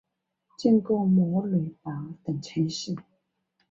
经过莫雷纳等城市。